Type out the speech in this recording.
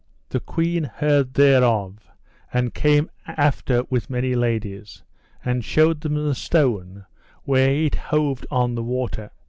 The queen heard thereof, and came after with many ladies, and shewed them the stone where it hoved on the water.